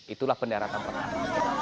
itulah pendaratan pertama